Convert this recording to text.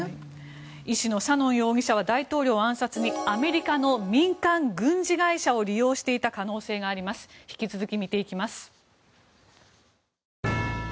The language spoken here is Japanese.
医師のサノン容疑者は大統領暗殺にアメリカの民間軍事会社を利用していた可能性があります。